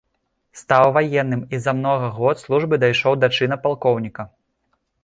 Стаў ваенным і за многа год службы дайшоў да чына палкоўніка.